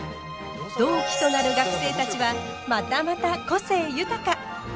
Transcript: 同期となる学生たちはまたまた個性豊か。